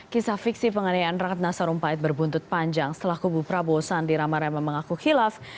kisah fiksi pengenian rakyat nasarumpahit berbuntut panjang setelah kubu prabowo sandi ramarema mengaku hilaf